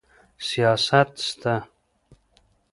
سیاست سته.